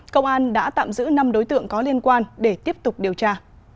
công an đã tạm giữ năm đối tượng có liên quan để tiếp tục điều tra